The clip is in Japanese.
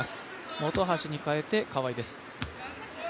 本橋に代えて川井です。